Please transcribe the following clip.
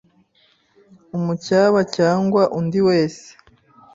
Umucyaba cyangwa undi wese,